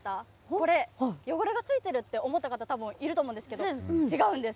これ、汚れがついているって思った方、たぶんいると思うんですけど、違うんです。